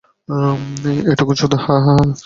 এটুকুই, হাহ?